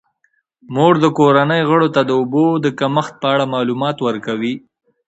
مور د کورنۍ غړو ته د اوبو د کمښت په اړه معلومات ورکوي.